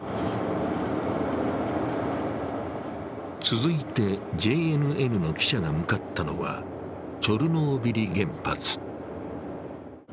続いてＪＮＮの記者が向かったのはチョルノービリ原発。